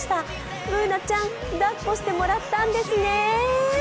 Ｂｏｏｎａちゃん、だっこしてもらったんですね！